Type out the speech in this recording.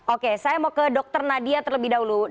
oke saya mau ke dr nadia terlebih dahulu